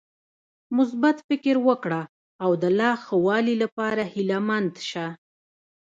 مثبت فکر وکړه او د لا ښوالي لپاره هيله مند شه .